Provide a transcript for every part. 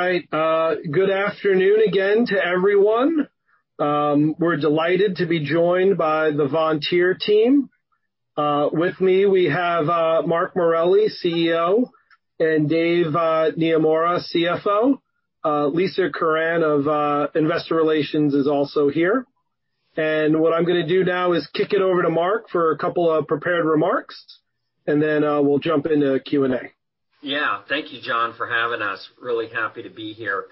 All right. Good afternoon again to everyone. We're delighted to be joined by the Vontier team. With me, we have Mark Morelli, CEO, and David Naemura, CFO. Lisa Curran of Investor Relations is also here. What I'm going to do now is kick it over to Mark for a couple of prepared remarks, then we'll jump into Q&A. Yeah. Thank you, John, for having us. Really happy to be here.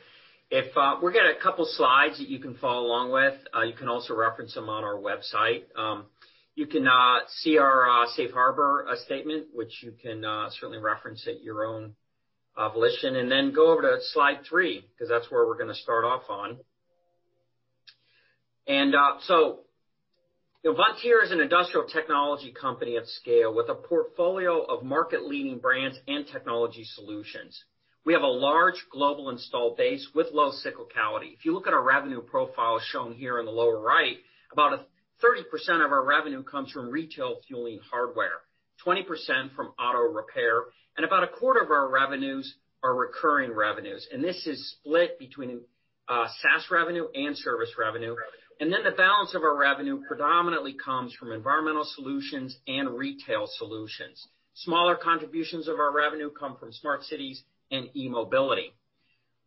We've got a couple slides that you can follow along with. You can also reference them on our website. You can see our safe harbor statement, which you can certainly reference at your own volition. Then go over to slide three, because that's where we're going to start off on. Vontier is an industrial technology company of scale with a portfolio of market leading brands and technology solutions. We have a large global installed base with low cyclicality. If you look at our revenue profile shown here in the lower right, about 30% of our revenue comes from retail fueling hardware, 20% from auto repair, and about a quarter of our revenues are recurring revenues. This is split between SaaS revenue and service revenue. The balance of our revenue predominantly comes from environmental solutions and retail solutions. Smaller contributions of our revenue come from smart cities and e-mobility.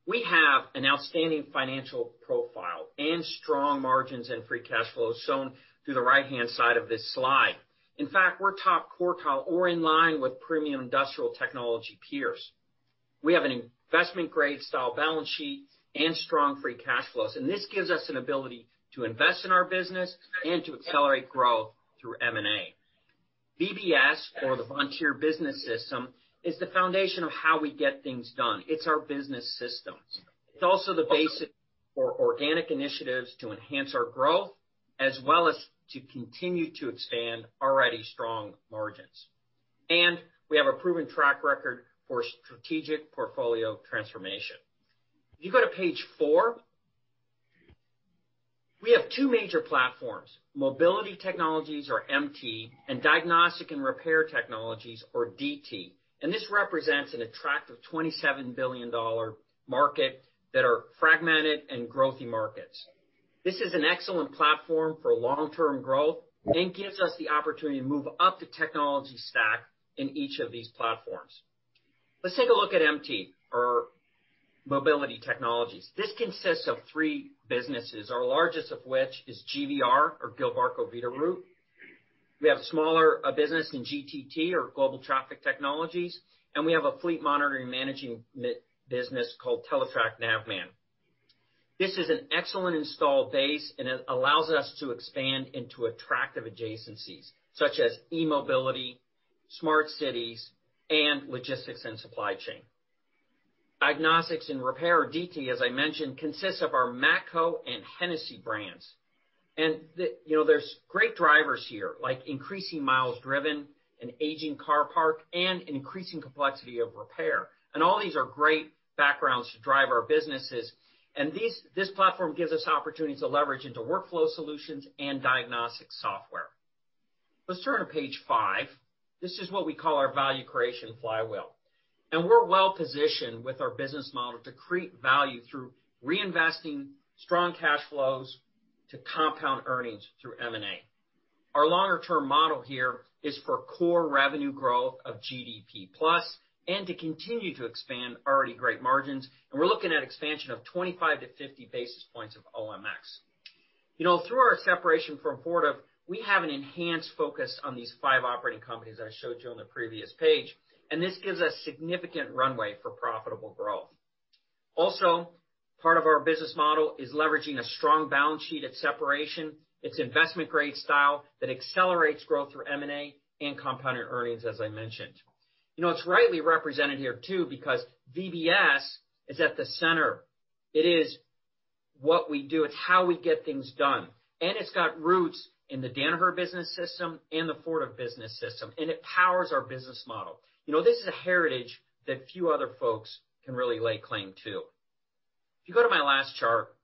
We have an outstanding financial profile and strong margins and free cash flow shown through the right-hand side of this slide. In fact, we're top quartile or in line with premium industrial technology peers. We have an investment-grade style balance sheet and strong free cash flows, this gives us an ability to invest in our business and to accelerate growth through M&A. VBS, or the Vontier Business System, is the foundation of how we get things done. It's our business systems. It's also the basis for organic initiatives to enhance our growth as well as to continue to expand already strong margins. We have a proven track record for strategic portfolio transformation. If you go to page four, we have two major platforms, Mobility Technologies, or MT, and Diagnostic and Repair Technologies, or DT. This represents an attractive $27 billion market that are fragmented and growthy markets. This is an excellent platform for long-term growth and gives us the opportunity to move up the technology stack in each of these platforms. Let's take a look at MT or Mobility Technologies. This consists of three businesses, our largest of which is GVR or Gilbarco Veeder-Root. We have smaller business in GTT or Global Traffic Technologies, and we have a fleet monitoring managing business called Teletrac Navman. This is an excellent install base, and it allows us to expand into attractive adjacencies such as e-mobility, smart cities, and logistics and supply chain. Diagnostic and Repair, or DT, as I mentioned, consists of our Matco and Hennessy brands. There's great drivers here, like increasing miles driven, an aging car park, and an increasing complexity of repair. All these are great backgrounds to drive our businesses. This platform gives us opportunities to leverage into workflow solutions and diagnostic software. Let's turn to page five. This is what we call our value creation flywheel. We're well-positioned with our business model to create value through reinvesting strong cash flows to compound earnings through M&A. Our longer-term model here is for core revenue growth of GDP plus and to continue to expand already great margins. We're looking at expansion of 25-50 basis points of OMX. Through our separation from Fortive, we have an enhanced focus on these five operating companies that I showed you on the previous page. This gives us significant runway for profitable growth. Also, part of our business model is leveraging a strong balance sheet at separation. It's investment-grade style that accelerates growth through M&A and compounded earnings, as I mentioned. It's rightly represented here too, because VBS is at the center. It is what we do. It's how we get things done. It's got roots in the Danaher Business System and the Fortive Business System, it powers our business model. This is a heritage that few other folks can really lay claim to. If you go to my last chart.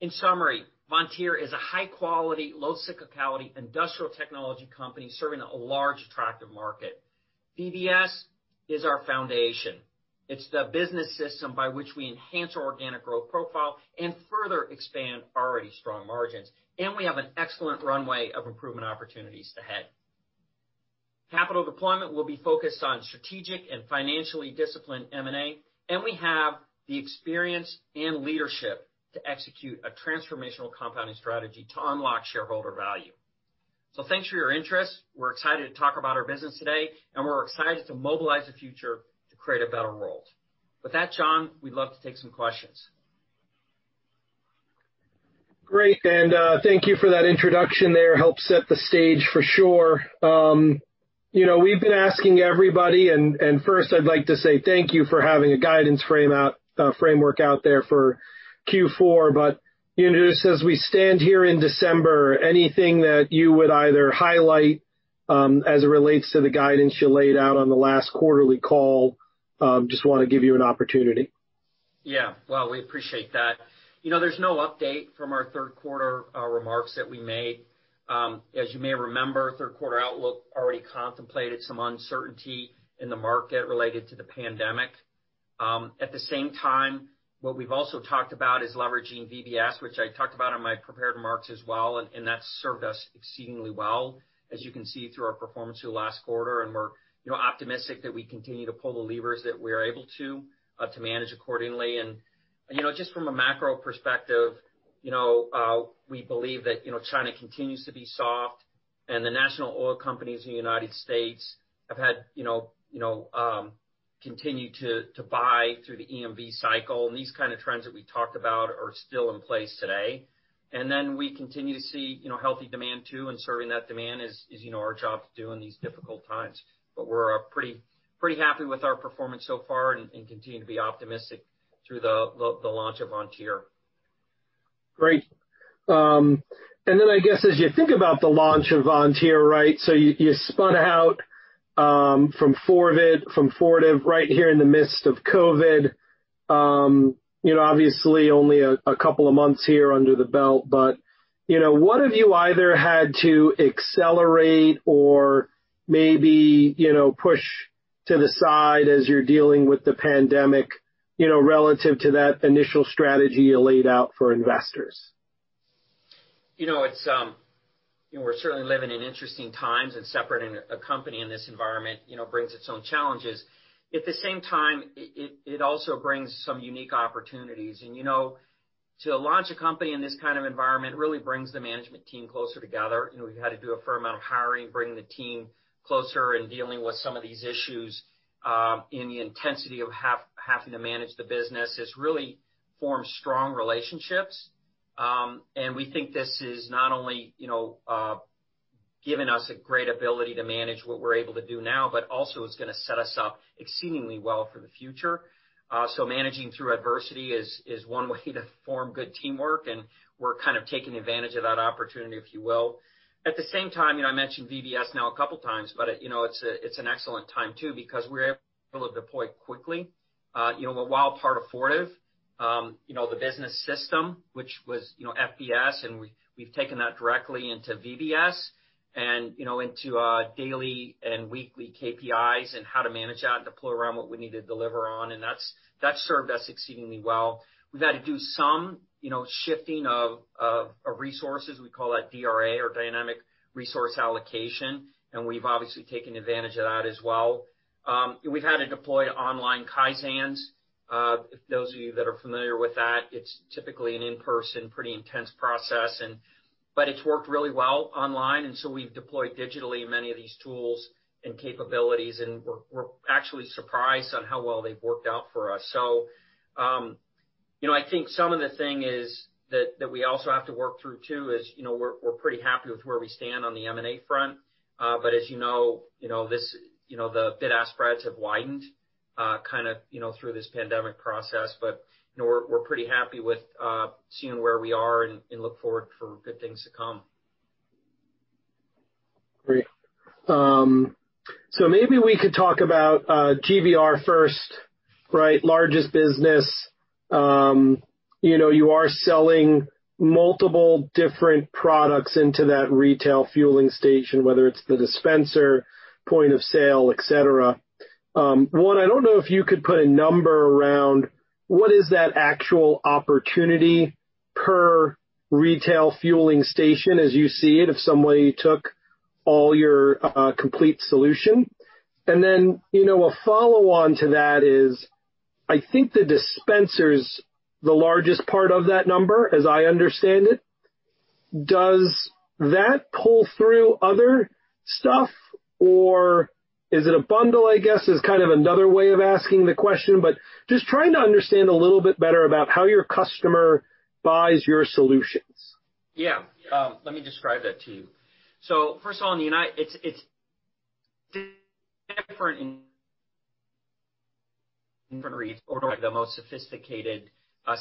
In summary, Vontier is a high quality, low cyclicality industrial technology company serving a large attractive market. VBS is our foundation. It's the business system by which we enhance our organic growth profile and further expand already strong margins. We have an excellent runway of improvement opportunities ahead. Capital deployment will be focused on strategic and financially disciplined M&A, and we have the experience and leadership to execute a transformational compounding strategy to unlock shareholder value. Thanks for your interest. We're excited to talk about our business today, and we're excited to mobilize the future to create a better world. With that, John, we'd love to take some questions. Great, thank you for that introduction there. Helps set the stage for sure. We've been asking everybody, first I'd like to say thank you for having a guidance framework out there for Q4. Just as we stand here in December, anything that you would either highlight as it relates to the guidance you laid out on the last quarterly call? Just want to give you an opportunity. Yeah. Well, we appreciate that. There's no update from our third quarter remarks that we made. As you may remember, third quarter outlook already contemplated some uncertainty in the market related to the pandemic. At the same time, what we've also talked about is leveraging VBS, which I talked about in my prepared remarks as well, and that's served us exceedingly well, as you can see through our performance through last quarter. We're optimistic that we continue to pull the levers that we are able to manage accordingly. Just from a macro perspective, we believe that China continues to be soft and the national oil companies in the United States have continued to buy through the EMV cycle. These kinds of trends that we talked about are still in place today. We continue to see healthy demand too, and serving that demand is our job to do in these difficult times. We're pretty happy with our performance so far and continue to be optimistic through the launch of Vontier. Great. I guess as you think about the launch of Vontier, so you spun out from Fortive right here in the midst of COVID. Obviously, only a couple of months here under the belt, but what have you either had to accelerate or maybe push to the side as you're dealing with the pandemic, relative to that initial strategy you laid out for investors? We're certainly living in interesting times. Separating a company in this environment brings its own challenges. At the same time, it also brings some unique opportunities. To launch a company in this kind of environment really brings the management team closer together. We've had to do a fair amount of hiring, bring the team closer, and dealing with some of these issues in the intensity of having to manage the business has really formed strong relationships. We think this is not only giving us a great ability to manage what we're able to do now, but also is going to set us up exceedingly well for the future. Managing through adversity is one way to form good teamwork, and we're kind of taking advantage of that opportunity, if you will. I mentioned VBS now a couple times. It's an excellent time too, because we're able to deploy quickly. While part of Fortive, the business system, which was FBS, we've taken that directly into VBS and into daily and weekly KPIs and how to manage that and deploy around what we need to deliver on. That's served us exceedingly well. We've had to do some shifting of resources, we call that DRA or dynamic resource allocation. We've obviously taken advantage of that as well. We've had to deploy online Kaizens. Those of you that are familiar with that, it's typically an in-person, pretty intense process. It's worked really well online. We've deployed digitally many of these tools and capabilities. We're actually surprised on how well they've worked out for us. I think some of the things is that we also have to work through too, is we're pretty happy with where we stand on the M&A front. As you know, the bid-ask spreads have widened kind of through this pandemic process. We're pretty happy with seeing where we are and look forward for good things to come. Great. Maybe we could talk about GVR first. Largest business. You are selling multiple different products into that retail fueling station, whether it's the dispenser, point of sale, et cetera. One, I don't know if you could put a number around what is that actual opportunity per retail fueling station as you see it, if somebody took all your complete solution? A follow-on to that is, I think the dispenser is the largest part of that number, as I understand it. Does that pull through other stuff or is it a bundle, I guess, is kind of another way of asking the question, but just trying to understand a little bit better about how your customer buys your solutions. Yeah. Let me describe that to you. First of all, it's different in the most sophisticated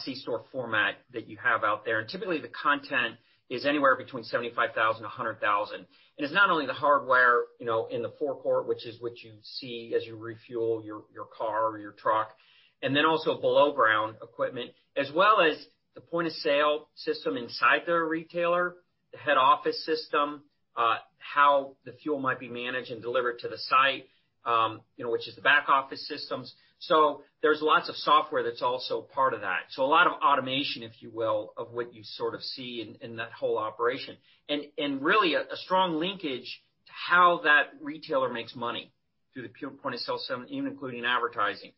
C-store format that you have out there, and typically the content is anywhere between $75,000-$100,000. It's not only the hardware in the forecourt, which is what you see as you refuel your car or your truck, and then also below-ground equipment, as well as the point-of-sale system inside their retailer, the head office system, how the fuel might be managed and delivered to the site, which is the back office systems. There's lots of software that's also part of that. A lot of automation, if you will, of what you sort of see in that whole operation. Really a strong linkage to how that retailer makes money through the point-of-sale system, even including advertising.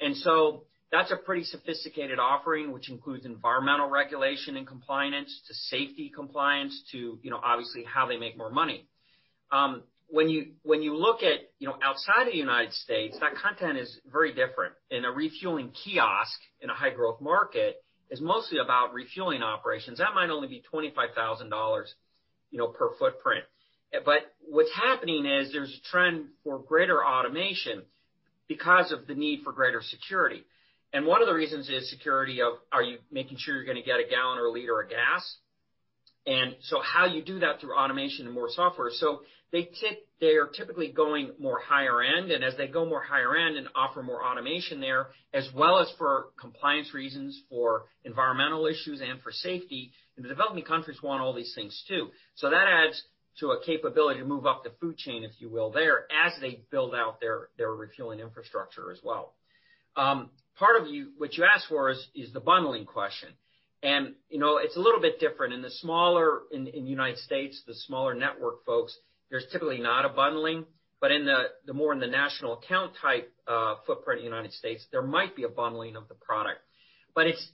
That's a pretty sophisticated offering, which includes environmental regulation and compliance to safety compliance to obviously how they make more money. When you look at outside of the U.S., that content is very different. In a refueling kiosk in a high-growth market, it's mostly about refueling operations. That might only be $25,000 per footprint. What's happening is there's a trend for greater automation because of the need for greater security. One of the reasons is security of, are you making sure you're going to get a gallon or a liter of gas? How you do that through automation and more software. They are typically going more higher end, and as they go more higher end and offer more automation there, as well as for compliance reasons, for environmental issues, and for safety, and the developing countries want all these things, too. That adds to a capability to move up the food chain, if you will, there, as they build out their refueling infrastructure as well. Part of what you asked for is the bundling question. It's a little bit different. In the United States, the smaller network folks, there's typically not a bundling. More in the national account type footprint in the United States, there might be a bundling of the product.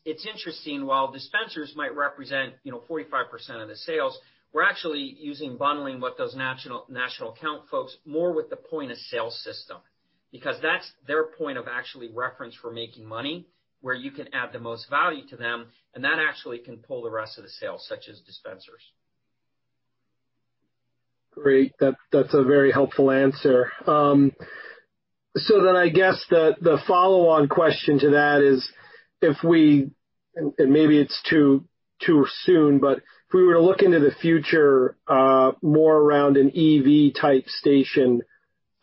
It's interesting, while dispensers might represent 45% of the sales, we're actually using bundling with those national account folks more with the point-of-sale system. That's their point of actually reference for making money, where you can add the most value to them, and that actually can pull the rest of the sales, such as dispensers. Great. That's a very helpful answer. I guess the follow-on question to that is, and maybe it's too soon, but if we were to look into the future, more around an EV type station,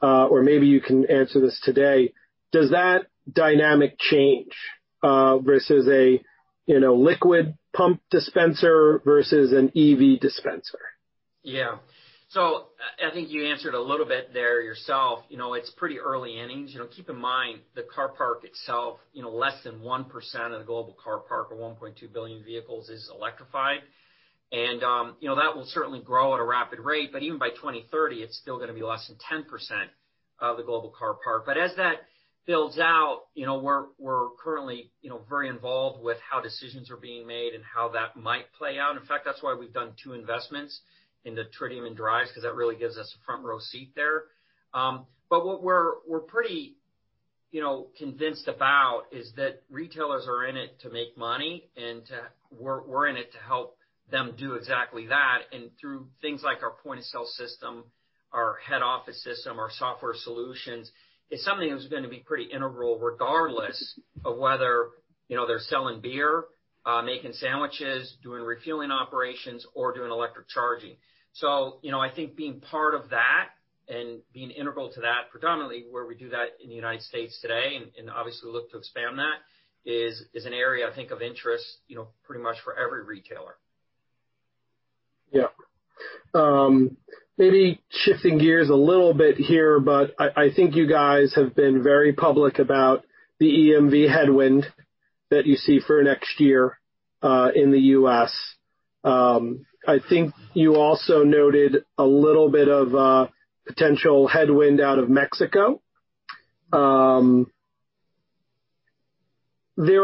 or maybe you can answer this today, does that dynamic change, versus a liquid pump dispenser versus an EV dispenser? Yeah. I think you answered a little bit there yourself. It's pretty early innings. Keep in mind, the car park itself, less than 1% of the global car park, or 1.2 billion vehicles, is electrified. That will certainly grow at a rapid rate. Even by 2030, it's still going to be less than 10% of the global car park. As that builds out, we're currently very involved with how decisions are being made and how that might play out. In fact, that's why we've done two investments into Tritium and Driivz, because that really gives us a front-row seat there. What we're pretty convinced about is that retailers are in it to make money, and we're in it to help them do exactly that, and through things like our point-of-sale system, our head office system, our software solutions, it's something that's going to be pretty integral regardless of whether they're selling beer, making sandwiches, doing refueling operations, or doing electric charging. I think being part of that and being integral to that, predominantly where we do that in the U.S. today, and obviously look to expand that, is an area, I think, of interest pretty much for every retailer. Yeah. Maybe shifting gears a little bit here. I think you guys have been very public about the EMV headwind that you see for next year in the U.S. I think you also noted a little bit of potential headwind out of Mexico. There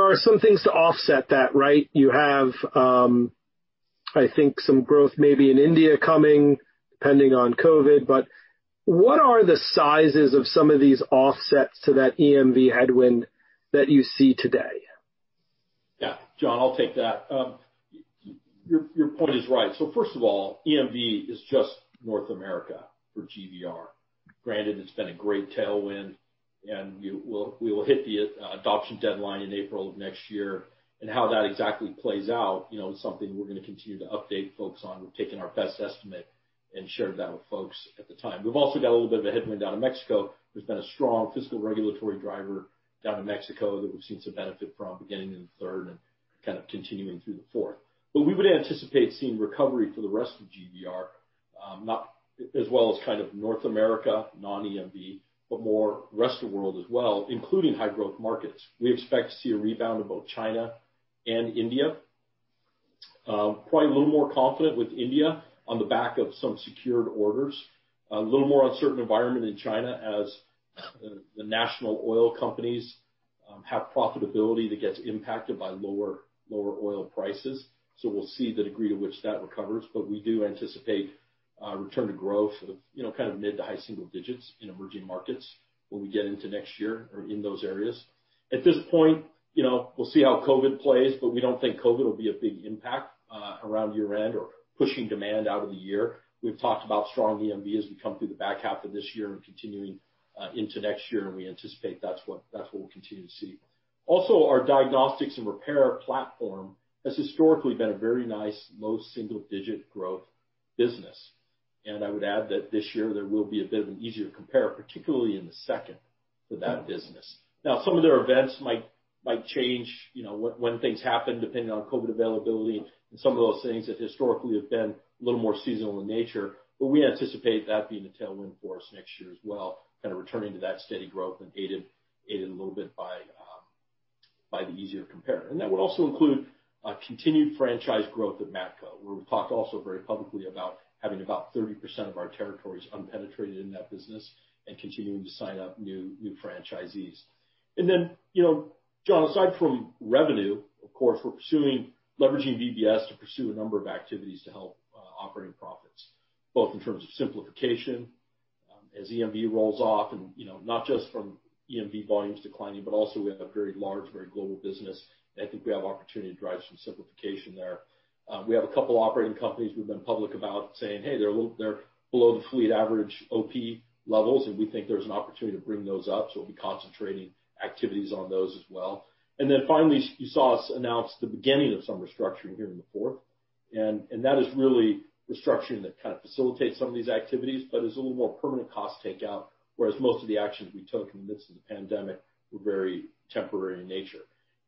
are some things to offset that, right? You have, I think, some growth maybe in India coming, depending on COVID. What are the sizes of some of these offsets to that EMV headwind that you see today? Yeah. John, I'll take that. Your point is right. First of all, EMV is just North America for GVR. Granted, it's been a great tailwind, and we will hit the adoption deadline in April of next year. How that exactly plays out is something we're going to continue to update folks on. We've taken our best estimate and shared that with folks at the time. We've also got a little bit of a headwind out of Mexico. There's been a strong fiscal regulatory driver down in Mexico that we've seen some benefit from beginning in the third and kind of continuing through the fourth. We would anticipate seeing recovery for the rest of GVR, not as well as kind of North America, non-EMV, but more rest of world as well, including high-growth markets. We expect to see a rebound of both China and India. Probably a little more confident with India on the back of some secured orders. A little more uncertain environment in China as the national oil companies have profitability that gets impacted by lower oil prices. We'll see the degree to which that recovers. We do anticipate a return to growth of kind of mid- to high-single digits in emerging markets when we get into next year or in those areas. At this point, we'll see how COVID plays, but we don't think COVID will be a big impact around year-end or pushing demand out of the year. We've talked about strong EMV as we come through the back half of this year and continuing into next year, and we anticipate that's what we'll continue to see. Also, our Repair Solutions has historically been a very nice low-single-digit growth business. I would add that this year there will be a bit of an easier compare, particularly in the second, for that business. Now, some of their events might change when things happen, depending on COVID availability and some of those things that historically have been a little more seasonal in nature. We anticipate that being a tailwind for us next year as well, kind of returning to that steady growth and aided a little bit by the easier compare. That would also include continued franchise growth at Matco, where we've talked also very publicly about having about 30% of our territories unpenetrated in that business and continuing to sign up new franchisees. John, aside from revenue, of course, we're leveraging VBS to pursue a number of activities to help operating profits, both in terms of simplification as EMV rolls off and not just from EMV volumes declining, but also we have a very large, very global business, and I think we have opportunity to drive some simplification there. We have a couple operating companies we've been public about saying, hey, they're below the fleet average OP levels, and we think there's an opportunity to bring those up, so we'll be concentrating activities on those as well. Finally, you saw us announce the beginning of some restructuring here in the fourth. That is really restructuring that kind of facilitates some of these activities, but is a little more permanent cost takeout, whereas most of the actions we took in the midst of the pandemic were very temporary in nature.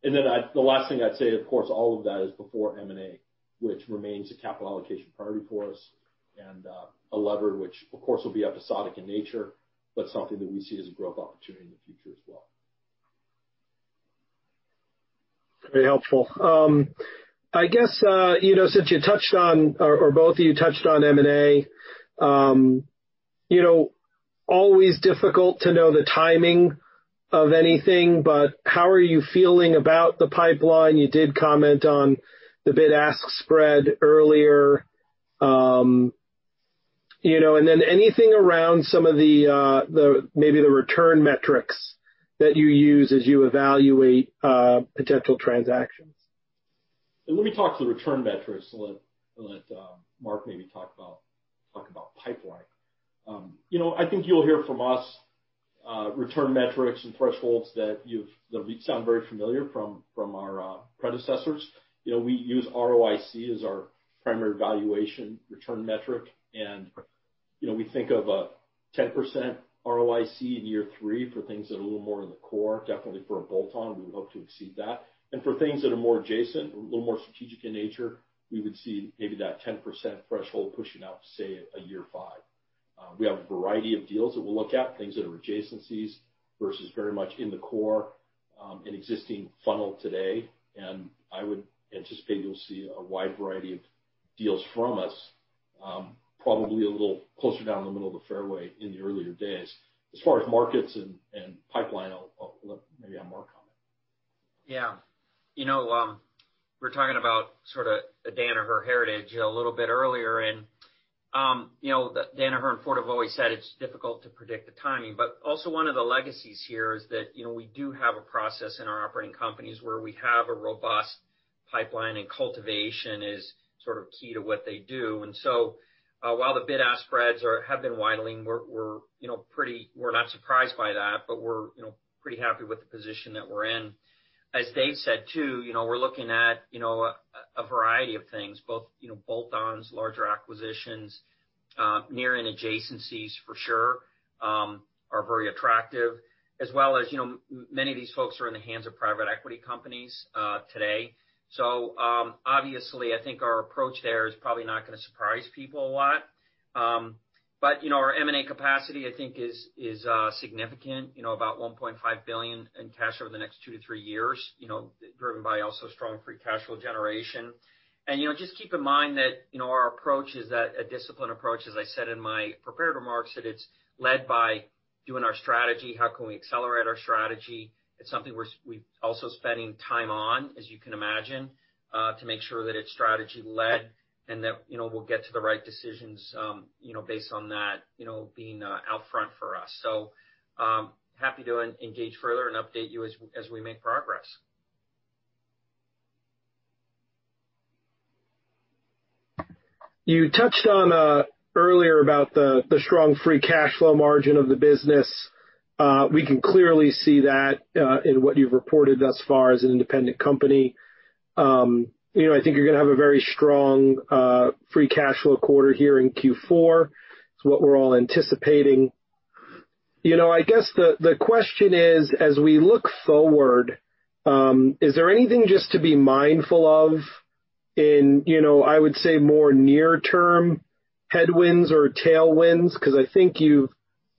The last thing I'd say, of course, all of that is before M&A, which remains a capital allocation priority for us and a lever, which of course will be episodic in nature, but something that we see as a growth opportunity in the future as well. Very helpful. I guess, since you touched on, or both of you touched on M&A. Always difficult to know the timing of anything, but how are you feeling about the pipeline? You did comment on the bid-ask spread earlier. Anything around some of maybe the return metrics that you use as you evaluate potential transactions? Let me talk to the return metrics, I'll let Mark maybe talk about pipeline. I think you'll hear from us return metrics and thresholds that sound very familiar from our predecessors. We use ROIC as our primary valuation return metric. We think of a 10% ROIC in year three for things that are a little more in the core. Definitely for a bolt-on, we would hope to exceed that. For things that are more adjacent, a little more strategic in nature, we would see maybe that 10% threshold pushing out to, say, a year five. We have a variety of deals that we'll look at, things that are adjacencies versus very much in the core in existing funnel today, and I would anticipate you'll see a wide variety of deals from us, probably a little closer down the middle of the fairway in the earlier days. As far as markets and pipeline, I'll let maybe have Mark comment. Yeah. We were talking about sort of a Danaher heritage a little bit earlier. Danaher and Fortive have always said it's difficult to predict the timing. Also one of the legacies here is that we do have a process in our operating companies where we have a robust pipeline, and cultivation is sort of key to what they do. While the bid-ask spreads have been widening, we're not surprised by that, but we're pretty happy with the position that we're in. As Dave said, too, we're looking at a variety of things, both bolt-ons, larger acquisitions, near and adjacencies for sure are very attractive. As well as many of these folks are in the hands of private equity companies today. Obviously, I think our approach there is probably not going to surprise people a lot. Our M&A capacity, I think is significant, about $1.5 billion in cash over the next two-three years, driven by also strong free cash flow generation. Just keep in mind that our approach is a disciplined approach, as I said in my prepared remarks, that it's led by doing our strategy. How can we accelerate our strategy? It's something we're also spending time on, as you can imagine, to make sure that it's strategy-led and that we'll get to the right decisions based on that being out front for us. Happy to engage further and update you as we make progress. You touched on earlier about the strong free cash flow margin of the business. We can clearly see that in what you've reported thus far as an independent company. I think you're going to have a very strong free cash flow quarter here in Q4. It's what we're all anticipating. I guess the question is, as we look forward, is there anything just to be mindful of in, I would say, more near term headwinds or tailwinds? I think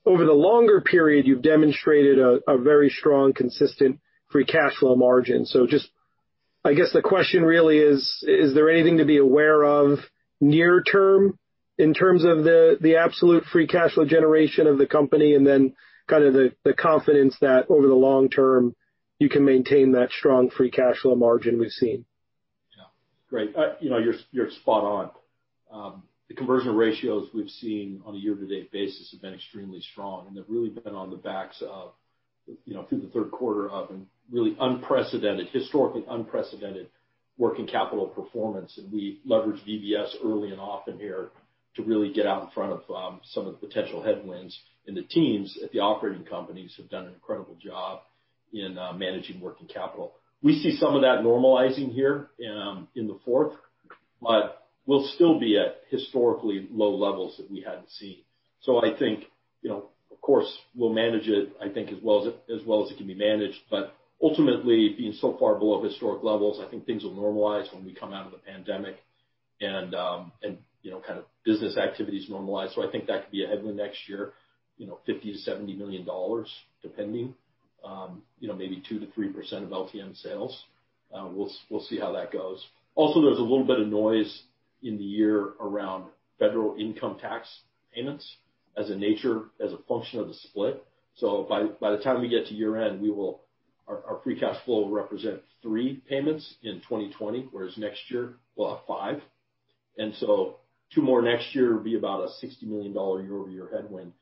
over the longer period, you've demonstrated a very strong, consistent free cash flow margin. Just, I guess the question really is: Is there anything to be aware of near term in terms of the absolute free cash flow generation of the company, and then kind of the confidence that over the long term, you can maintain that strong free cash flow margin we've seen? Great. You're spot on. The conversion ratios we've seen on a year-to-date basis have been extremely strong. They've really been on the backs of, through the third quarter of a really unprecedented, historically unprecedented working capital performance. We leveraged VBS early and often here to really get out in front of some of the potential headwinds. The teams at the operating companies have done an incredible job in managing working capital. We see some of that normalizing here in the fourth, but we'll still be at historically low levels that we hadn't seen. I think, of course, we'll manage it, I think, as well as it can be managed. Ultimately, being so far below historic levels, I think things will normalize when we come out of the pandemic and kind of business activities normalize. I think that could be a headwind next year, $50 million-$70 million, depending. Maybe 2%-3% of LTM sales. We'll see how that goes. Also, there's a little bit of noise in the year around federal income tax payments as a nature, as a function of the split. By the time we get to year-end, our free cash flow will represent three payments in 2020, whereas next year we'll have five. Two more next year will be about a $60 million year-over-year headwind.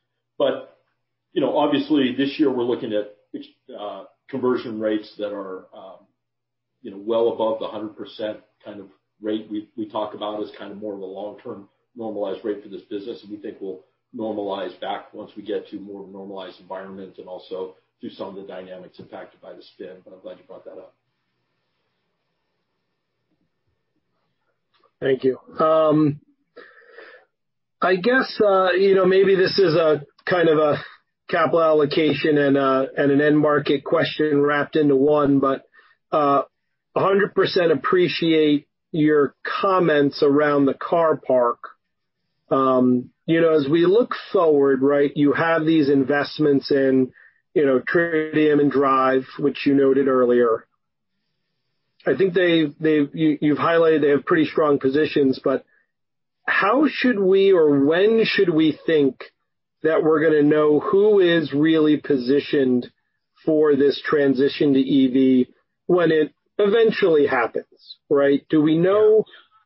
Obviously, this year we're looking at conversion rates that are well above the 100% kind of rate we talk about as kind of more of a long-term normalized rate for this business that we think will normalize back once we get to a more normalized environment and also through some of the dynamics impacted by the spin. I'm glad you brought that up. Thank you. I guess maybe this is a kind of a capital allocation and an end market question wrapped into one, but 100% appreciate your comments around the car park. As we look forward, right? You have these investments in Tritium and Driivz, which you noted earlier. I think you've highlighted they have pretty strong positions, but how should we, or when should we think that we're going to know who is really positioned for this transition to EV when it eventually happens, right? Do we know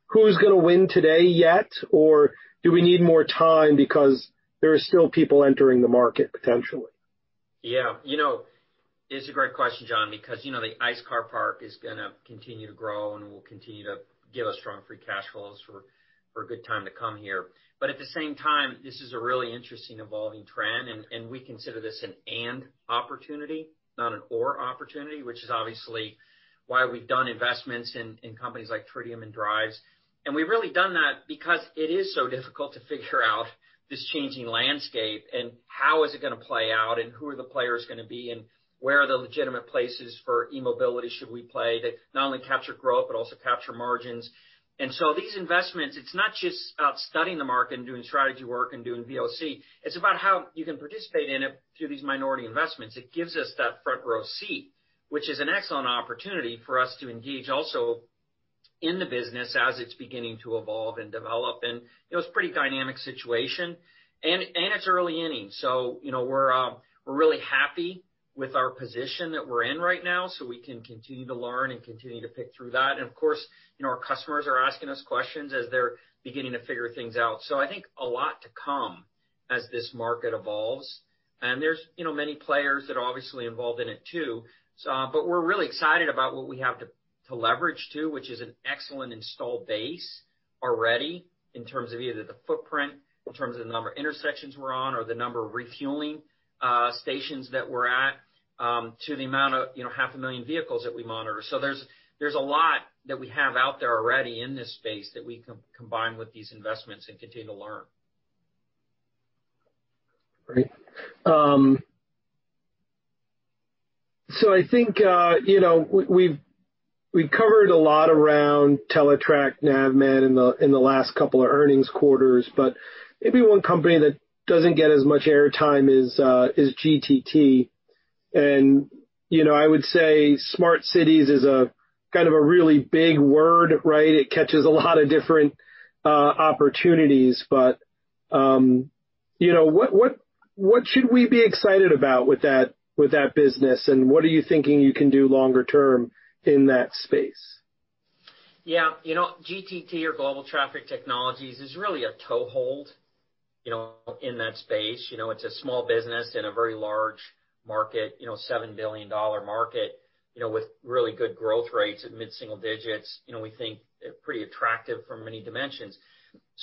who's going to win today yet? Do we need more time because there are still people entering the market potentially? It's a great question, John, because the ICE car park is going to continue to grow, and will continue to give us strong free cash flows for a good time to come here. At the same time, this is a really interesting evolving trend, and we consider this an and opportunity, not an or opportunity, which is obviously why we've done investments in companies like Tritium and Driivz. We've really done that because it is so difficult to figure out this changing landscape and how is it going to play out, and who are the players going to be, and where are the legitimate places for e-mobility should we play that not only capture growth but also capture margins. These investments, it's not just about studying the market and doing strategy work and doing VOC. It's about how you can participate in it through these minority investments. It gives us that front-row seat, which is an excellent opportunity for us to engage also in the business as it's beginning to evolve and develop. It's a pretty dynamic situation. It's early innings, so we're really happy with our position that we're in right now, so we can continue to learn and continue to pick through that. Of course, our customers are asking us questions as they're beginning to figure things out. I think a lot to come as this market evolves. There's many players that are obviously involved in it too. We're really excited about what we have to leverage too, which is an excellent installed base already in terms of either the footprint, in terms of the number of intersections we're on or the number of refueling stations that we're at, to the amount of half a million vehicles that we monitor. There's a lot that we have out there already in this space that we can combine with these investments and continue to learn. Great. I think we've covered a lot around Teletrac Navman in the last couple of earnings quarters. Maybe one company that doesn't get as much air time is GTT. I would say smart cities is kind of a really big word, right? It catches a lot of different opportunities. What should we be excited about with that business, and what are you thinking you can do longer term in that space? Yeah. GTT or Global Traffic Technologies is really a toehold in that space. It's a small business in a very large market, a $7 billion market with really good growth rates at mid-single digits. We think they're pretty attractive from many dimensions.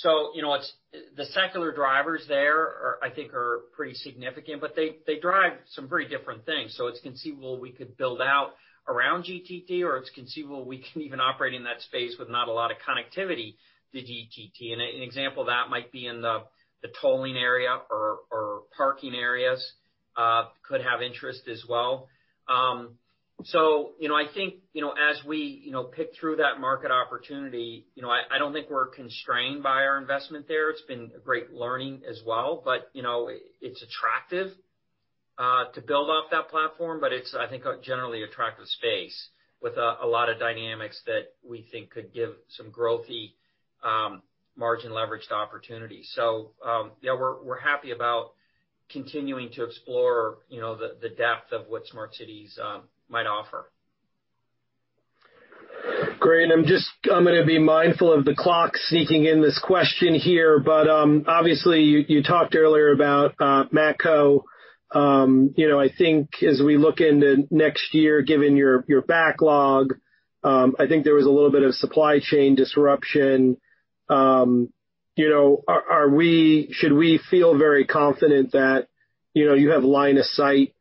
The secular drivers there I think are pretty significant, but they drive some very different things. It's conceivable we could build out around GTT, or it's conceivable we can even operate in that space with not a lot of connectivity to GTT. An example of that might be in the tolling area or parking areas could have interest as well. I think as we pick through that market opportunity, I don't think we're constrained by our investment there. It's been a great learning as well. It's attractive to build off that platform, but it's, I think, a generally attractive space with a lot of dynamics that we think could give some growth-y margin leverage to opportunities. Yeah, we're happy about continuing to explore the depth of what smart cities might offer. Great. I'm going to be mindful of the clock sneaking in this question here. Obviously, you talked earlier about Matco. I think as we look into next year, given your backlog, I think there was a little bit of supply chain disruption. Should we feel very confident that you have line of sight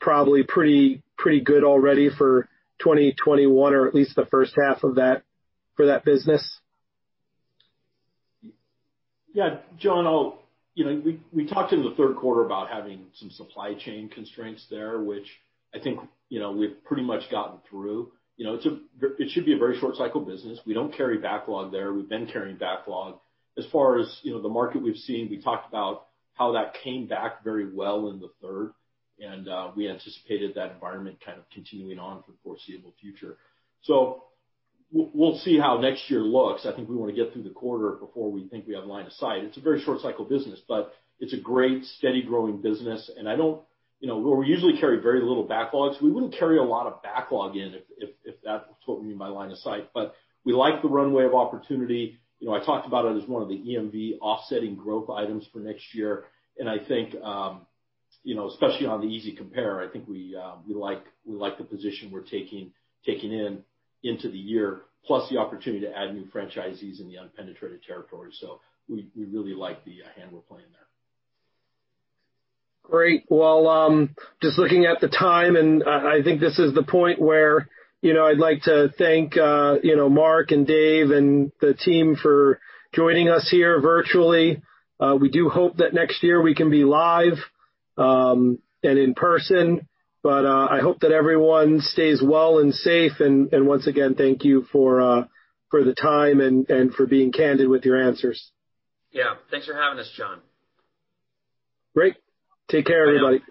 probably pretty good already for 2021 or at least the first half of that for that business? Yeah. John, we talked in the third quarter about having some supply chain constraints there, which I think we've pretty much gotten through. It should be a very short cycle business. We don't carry backlog there. We've been carrying backlog. As far as the market we've seen, we talked about how that came back very well in the third, and we anticipated that environment kind of continuing on for the foreseeable future. We'll see how next year looks. I think we want to get through the quarter before we think we have line of sight. It's a very short cycle business, but it's a great steady growing business. We usually carry very little backlogs. We wouldn't carry a lot of backlog in if that's what we mean by line of sight. We like the runway of opportunity. I talked about it as one of the EMV offsetting growth items for next year. I think, especially on the easy compare, I think we like the position we're taking into the year, plus the opportunity to add new franchisees in the unpenetrated territory. We really like the hand we're playing there. Great. Well, just looking at the time, and I think this is the point where I'd like to thank Mark and Dave and the team for joining us here virtually. We do hope that next year we can be live and in person. I hope that everyone stays well and safe, and once again, thank you for the time and for being candid with your answers. Yeah. Thanks for having us, John. Great. Take care, everybody.